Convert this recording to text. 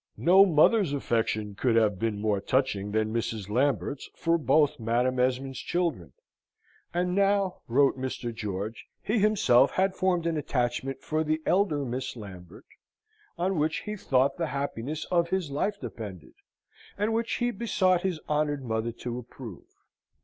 No mother's affection could have been more touching than Mrs. Lambert's for both Madam Esmond's children; and now, wrote Mr. George, he himself had formed an attachment for the elder Miss Lambert, on which he thought the happiness of his life depended, and which he besought his honoured mother to approve.